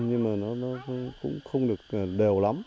nhưng mà nó cũng không được đều lắm